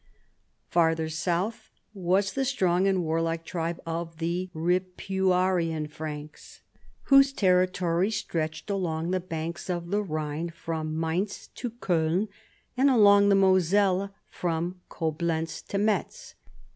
Farther south was the strong and war like tribe of the Ripuarian Franks, Avhose territory stretched along the banks of the Rhine from Mainz to Koln, and along the Moselle from Coblenz to Metz.